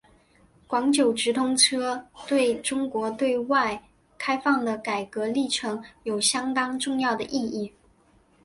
广九直通车对中国对外开放的改革历程有相当重要的意义。